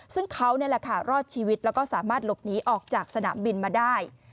ซึ่งเขานี่แหละค่ะรอดชีวิตแล้วก็สามารถหลบหนีออกจากสนามบินมาได้